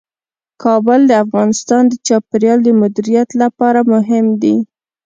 کابل د افغانستان د چاپیریال د مدیریت لپاره مهم دي.